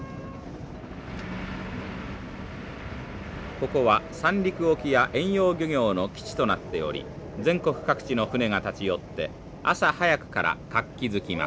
ここは三陸沖や遠洋漁業の基地となっており全国各地の船が立ち寄って朝早くから活気づきます。